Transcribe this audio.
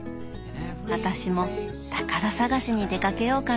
私も宝探しに出かけようかな。